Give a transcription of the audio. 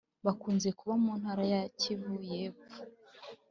bakunze kuba mu Ntara ya Kivu y’Epfo